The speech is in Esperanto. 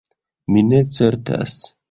"Mi ne certas."